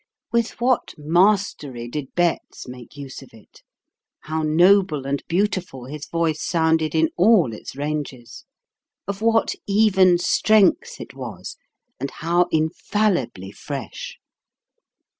With what mastery did Betz make use of it ; how noble and beautiful his voice sounded in all its ranges; of what even strength it was, and how infallibly fresh